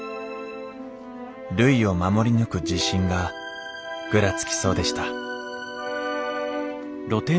るいを守り抜く自信がぐらつきそうでした